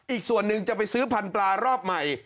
อีกส่วนหนึ่งจะไปซื้อพันธุปลารอบใหม่